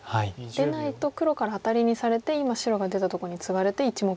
でないと黒からアタリにされて今白が出たところにツガれて１目。